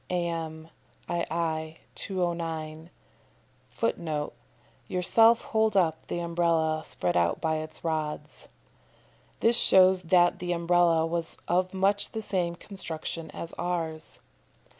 _ Am., ii., 209. [Footnote: "Yourself hold up the umbrella spread out by its rods"] This shows that the Umbrella was of much the same construction as ours.